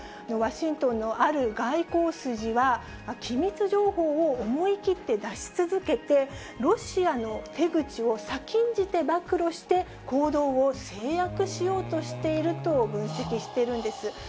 ワシントンのある外交筋は、機密情報を思い切って出し続けて、ロシアの手口を先んじて暴露して、行動を制約しようとしていると分析しているんです。